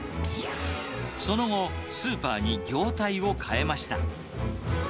その後、スーパーに業態を変えました。